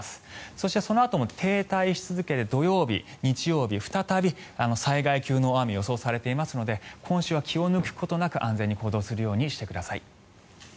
そして、そのあとも停滞し続けて土曜日、日曜日再び、災害級の大雨予想されていますので今週は気を抜くことなく安全に行動するようにしてください。